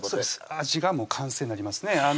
味が完成になりますね